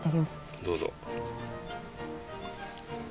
どうぞ。